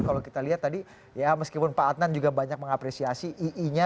kalau kita lihat tadi ya meskipun pak adnan juga banyak mengapresiasi ii nya